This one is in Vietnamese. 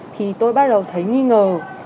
thì tôi bắt đầu thấy nghi ngờ